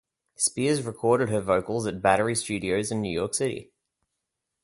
Spears recorded her vocals at Battery Studios in New York City.